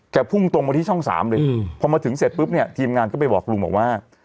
พุ่งตรงมาที่ช่อง๓เลยพอมาถึงเสร็จปุ๊บเนี่ยทีมงานก็ไปบอกลุงบอกว่า